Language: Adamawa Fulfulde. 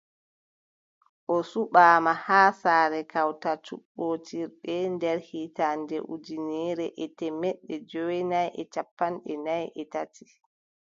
O suɓaama haa saare kawtal cuɓtootirɓe nder hitaande ujineere e teemeɗɗe joweenayi e cappanɗe nay e tati.